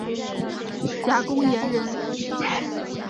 贾公彦人。